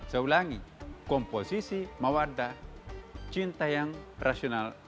saya ulangi komposisi mawarda cinta yang rasional